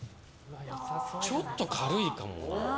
ちょっと軽いかも。